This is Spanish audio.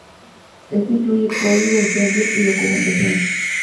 Este incluye código, ejemplos y documentación.